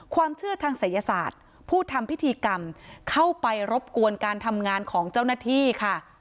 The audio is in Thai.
ความเชื่อทางศัยศาสตร์ผู้ทำพิธีกรรมเข้าไปรบกวนการทำงานของเจ้าหน้าที่ค่ะ